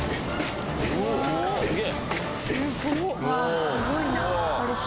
すごいな。